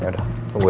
ya udah tunggu ya